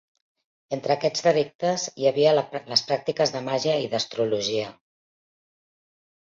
Entre aquests delictes hi havia les pràctiques de màgia i d'astrologia.